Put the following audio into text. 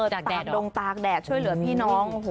ตากดงตากแดดช่วยเหลือพี่น้อง